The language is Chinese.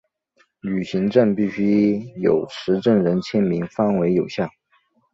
旅行证必须有持证人签名方为有效。